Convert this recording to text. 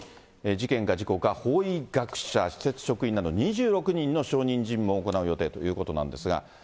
事件か事故か、法医学者、施設職員など２６人の証人尋問を行う予定ということなんですが。